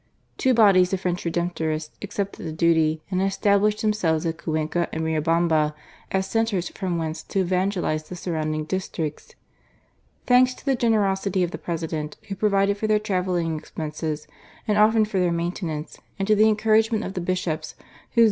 Two bodies of French Redemptorists accepted the duty, and established themselves at Cuenca and Riobamba as centres from whence to evangelise the surrounding districts. Thanks to the generosity of the President, who provided for their travelling expenses and often for their maintenance, and to the encouragement of the Bishops, whose zea.